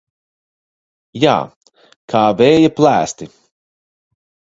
Jā, kā vēja plēsti.